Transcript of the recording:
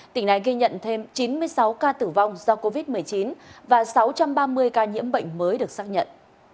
tỉnh này ghi nhận thêm chín mươi sáu ca tử vong do covid một mươi chín và sáu trăm ba mươi ca nhiễm bệnh mới được xác nhận